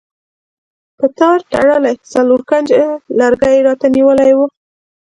په تار تړلی څلور کونجه لرګی یې راته نیولی و.